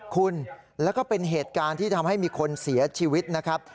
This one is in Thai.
คุณแล้วก็เป็นเหตุการณ์ที่ทำให้มีคนเสียชีวิตนะครับ